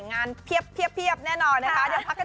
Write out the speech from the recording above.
งานเพียบแน่นอนนะคะ